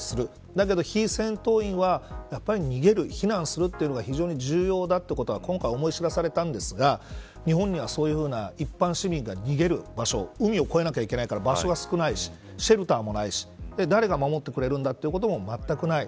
だけど非戦闘員は逃げる、避難するというのが非常に重要だということが今回、思い知らされたんですが日本にはそういう一般市民が逃げる場所海を越えなきゃいけないから場所が少ないしシェルターもないし誰が守ってくれるんだということも、まったくない。